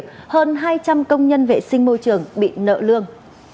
và xử lý thông tin về việc hơn hai trăm linh công nhân vệ sinh môi trường bị nợ lương